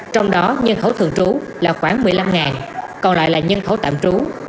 trong đó nhân khẩu thường trú là khoảng một mươi năm còn lại là nhân khẩu tạm trú